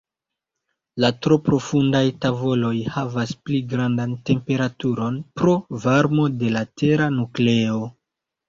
La tro profundaj tavoloj havas pli grandan temperaturon pro varmo de la tera nukleo.